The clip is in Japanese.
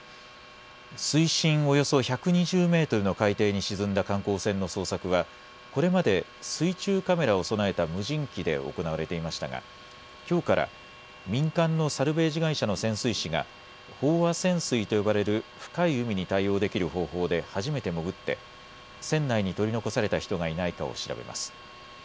水深およそ１２０メートルの海底に沈んだ観光船の捜索はこれまで水中カメラを備えた無人機で行われていましたがきょうから民間のサルベージ会社の潜水士が飽和潜水と呼ばれる深い海に対応できる方法で初めて潜って、船内に取り残された人がいないかを調べます。